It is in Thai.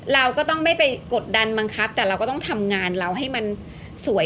เราก็ต้องไม่ไปกดดันบังคับแต่เราก็ต้องทำงานเราให้มันสวย